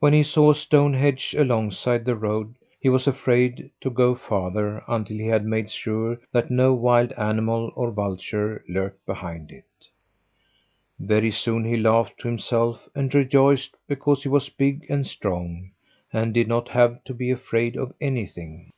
When he saw a stone hedge alongside the road, he was afraid to go farther until he had made sure that no wild animal or vulture lurked behind it. Very soon he laughed to himself and rejoiced because he was big and strong and did not have to be afraid of anything.